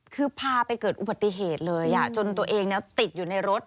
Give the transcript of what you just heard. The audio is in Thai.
คือพาไปเกิดอุบัติเหตุเลยจนตัวเองติดอยู่ในรถ